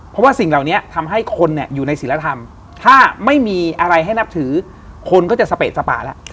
เพราะว่าสิ่งเหล่านี้ทำให้คนอยู่ในศิลธรรมถ้าไม่มีอะไรให้นับถือคนก็จะสเปดสปาแล้ว